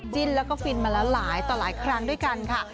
จิ้นแล้วก็ฟินมาแล้วหลายต่อหลายครั้งด้วยกันค่ะ